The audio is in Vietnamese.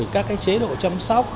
các chế độ chăm sóc